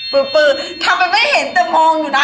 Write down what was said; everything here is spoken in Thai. ปื๊บปื๊บทำไปไม่เห็นแต่มองอยู่นะ